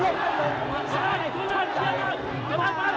โลกซ้ายชุดใหญ่มาก